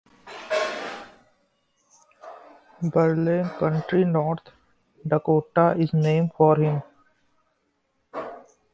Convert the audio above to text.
Burleigh County, North Dakota is named for him.